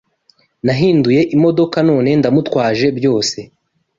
Nahinduye imodoka none ndamutwaje byose